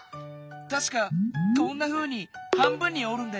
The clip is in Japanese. たしかこんなふうに半分におるんだよね。